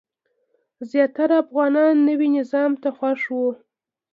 زیاتره افغانان نوي نظام ته خوښ وو.